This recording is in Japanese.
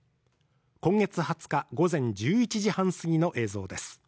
今月２０日午前１１時半過ぎの映像です。